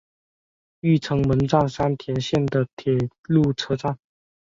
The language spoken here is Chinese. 御成门站三田线的铁路车站。